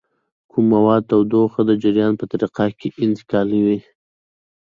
کوم مواد تودوخه د جریان په طریقه انتقالوي؟